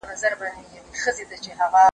د ټولو فرعي علومو ترمنځ اړیکې سته.